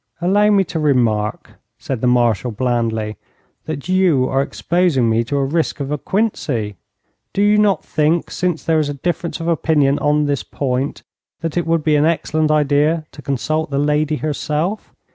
'Allow me to remark,' said the Marshal, blandly, 'that you are exposing me to a risk of a quinsy. Do you not think, since there is a difference of opinion upon this point, that it would be an excellent idea to consult the lady herself?